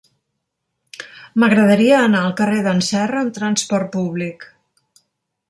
M'agradaria anar al carrer d'en Serra amb trasport públic.